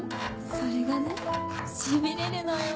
それがねしびれるのよ。